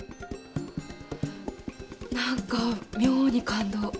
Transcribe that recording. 何か妙に感動。